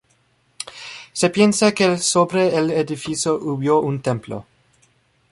Se piensa que sobre el edificio hubo un templo.